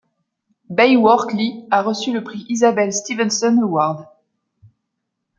Baayork Lee a reçu le prix Isabelle Stevenson Award.